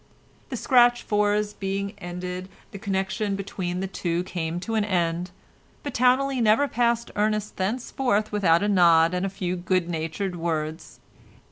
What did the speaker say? The scratch fours being ended the connection between the two came to an end, but Towneley never passed Ernest thenceforward without a nod and a few good natured words.